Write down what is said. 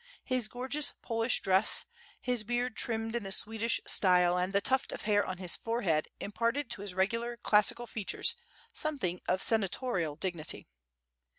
His gorgeous Polish dress, his. beard trimmed in the Swedish style, and the tuft of hair on his forehead imparted to his regular classical features, something of senatorial dignity.